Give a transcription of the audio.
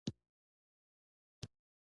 طالبانو خارجي وجود نه و پیدا کړی.